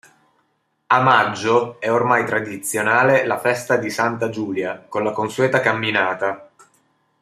A maggio è ormai tradizionale la festa di Santa Giulia con la consueta camminata.